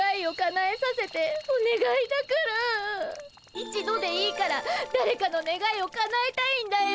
一度でいいからだれかのねがいをかなえたいんだよ。